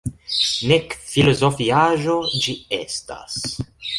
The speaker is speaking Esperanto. Nek filozofiaĵo ĝi estas.